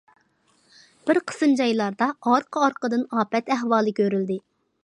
بىر قىسىم جايلاردا ئارقا- ئارقىدىن ئاپەت ئەھۋالى كۆرۈلدى.